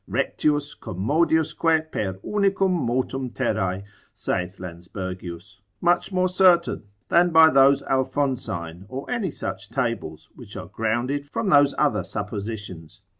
rectius commodiusque per unicum motum terrae, saith Lansbergius, much more certain than by those Alphonsine, or any such tables, which are grounded from those other suppositions.